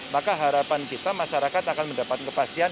maka harapan kita masyarakat akan mendapat kepastian